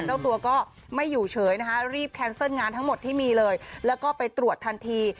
เจ้าตัวก็ไม่อยู่เฉยนะคะรีบแคนเซิลงานทั้งหมดที่มีเลยแล้วก็ไปตรวจทันที